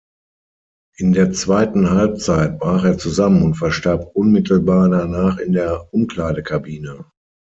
In der zweiten Halbzeit brach er zusammen und verstarb unmittelbar danach in der Umkleidekabine.